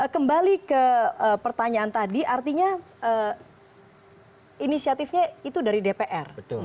kembali ke pertanyaan tadi artinya inisiatifnya itu dari dpr